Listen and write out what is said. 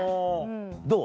どう？